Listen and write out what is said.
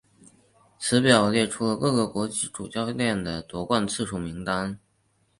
此表列出了各个国籍主教练的夺冠次数名单。